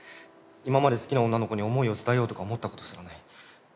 今まで好きな女の子に思いを伝えようとか思ったことすらない。